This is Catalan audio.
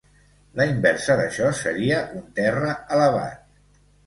La inversa d'això seria un terra elevat.